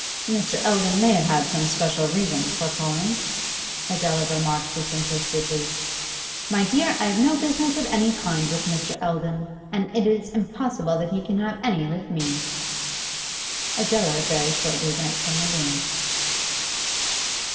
'Mr. Eldon may have had some special reason for calling,' Adela remarked disinterestedly. 'My dear, I have no business of any kind with Mr. Eldon, and it is impossible that he can have any with me.' Adela very shortly went from the room.